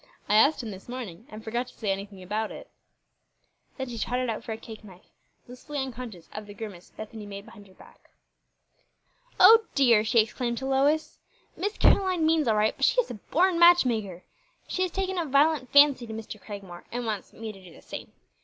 "I asked him this morning, and forgot to say anything about it." Then she trotted out for a cake knife, blissfully unconscious of the grimace Bethany made behind her back. "O dear!" she exclaimed to Lois, "Miss Caroline means all right, but she is a born matchmaker. She has taken a violent fancy to Mr. Cragmore, and wants me to do the same.